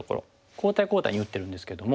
交代交代に打ってるんですけども。